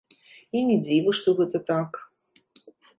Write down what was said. І не дзіва, што гэта так.